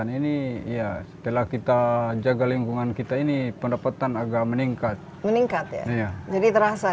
pendapatan ini setelah kita jaga lingkungan kita ini pendapatan agar meningkat meningkat jadi terasa